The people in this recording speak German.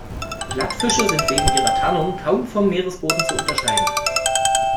Plattfische sind wegen ihrer Tarnung kaum vom Meeresboden zu unterscheiden.